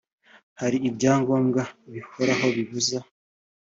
hari ibyangombwa bihoraho bibuza